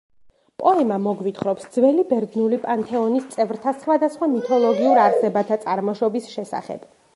პოემა მოგვითხრობს ძველი ბერძნული პანთეონის წევრთა სხვადასხვა მითოლოგიურ არსებათა წარმოშობის შესახებ.